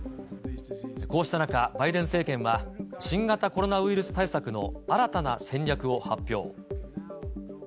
こうした中、バイデン政権は、新型コロナウイルス対策の新たな戦略を発表。